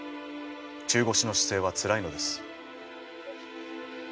中腰の姿勢はつらいのです。